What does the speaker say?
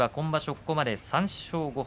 ここまで３勝５敗。